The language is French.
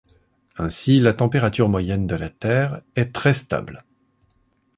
Ainsi, la température moyenne de la Terre est très stable.